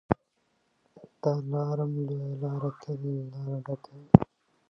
د دلارام لویه لاره تل له لاریو ډکه وي.